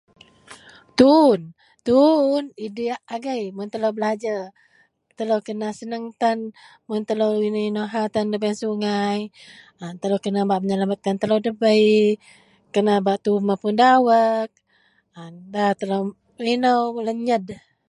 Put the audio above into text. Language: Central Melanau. Ji bangsa wak pindah mapun, mapun kek pindah wak bei gak negara kou. Iyenlah bangsa bangladesh bangsa bangsa bangsa peperang palestine ji den kou.